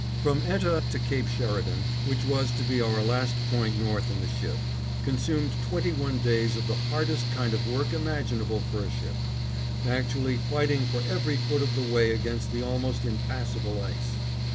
From Etah to Cape Sheridan, which was to be our last point north in the ship, consumed twenty one days of the hardest kind of work imaginable for a ship; actually fighting for every foot of the way against the almost impassable ice.